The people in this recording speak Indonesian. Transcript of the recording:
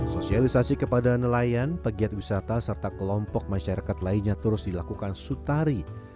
sosialisasi kepada nelayan pegiat wisata serta kelompok masyarakat lainnya terus dilakukan sutari